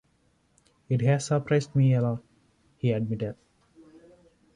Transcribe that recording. "It has surprised me a lot," he admitted.